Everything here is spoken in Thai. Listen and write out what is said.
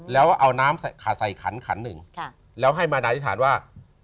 แล้วเอาน้ำใส่ขันหนึ่งแล้วให้มารดาอิทธาตุว่า